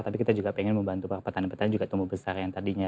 tapi kita juga pengen membantu para petani petani juga tumbuh besar yang tadinya